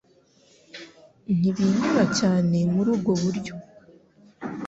ntibinyura cyane muri ubwo buryo.